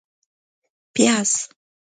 🧅 پیاز